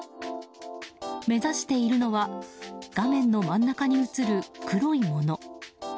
目指しているのは画面の真ん中に映る、黒いもの。